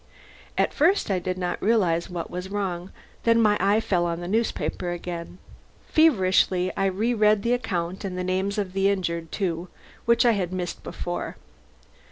At first I did not realize what was wrong. Then my eye fell on the newspaper again. Feverishly I re read the account, and the names of the injured, too, which I had missed before.